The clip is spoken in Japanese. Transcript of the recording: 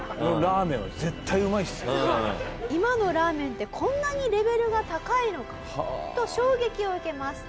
今のラーメンってこんなにレベルが高いのかと衝撃を受けます。